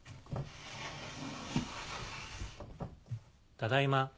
ただいま。